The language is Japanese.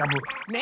ね。